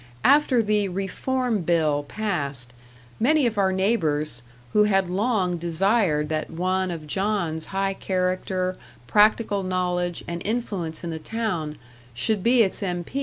After the Reform Bill passed, many of our neighbours, who had long desired that one of John's high character, practical knowledge, and influence in the town, should be its M.